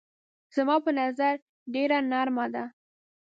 زما په نظر ډېره نرمه ده.